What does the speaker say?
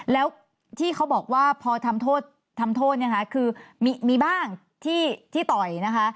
แล้วที่เขาบอกว่าพอทำโทษคือมีบ้างที่ต่อยนะคะ